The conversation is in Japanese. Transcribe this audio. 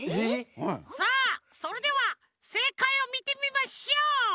さあそれではせいかいをみてみましょう。